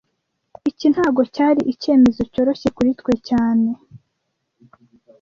Iki ntago cyari icyemezo cyoroshye kuri twe cyane